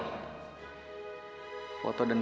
aku seperti nasional